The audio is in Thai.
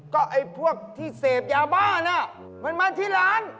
ก็ไอ้พวกที่เสพยาบ้านมันมาที่ร้าน